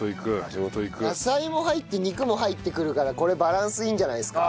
野菜も入って肉も入ってくるからこれバランスいいんじゃないですか？